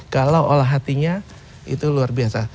kalau olah hatinya itu luar biasa